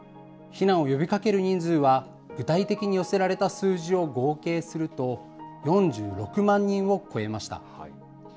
避難を呼びかける人数は、具体的に寄せられた数字を合計すると、４６万人を超えました。